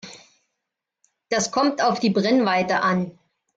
Das kommt auf die Brennweite an.